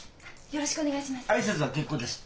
よろしくお願いします。